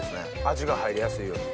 味が入りやすいように。